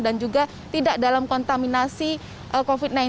dan juga tidak dalam kontaminasi covid sembilan belas